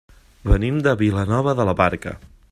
Venim de Vilanova de la Barca.